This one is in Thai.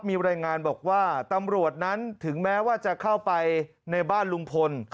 มีรายงานบอกว่าตำรวจนั้นถึงแม้ว่าจะเข้าไปในบ้านลุงพล